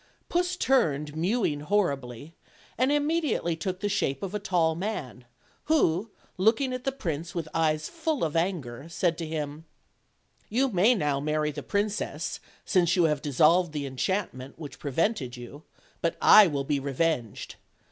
Puss turned, mewing horribly, and immediately took the shape of a tall man, who, looking at the prince with eyes full of anger, said to him: "You may now marry the princess, since you have dis solved the enchantment which prevented you; but I will be revenged.